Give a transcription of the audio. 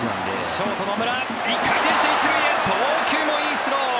ショート、野村１回転して１塁へ送球もいいスロー。